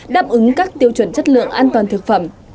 đáp ứng các tiêu chuẩn chất lượng an toàn thực phẩm